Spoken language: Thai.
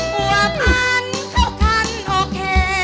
ผัวพันเข้าคันโอเค